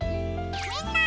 みんな！